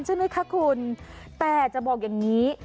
ใช่ไหมคะคุณแต่จะบอกอย่างนี้